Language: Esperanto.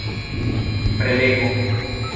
prelego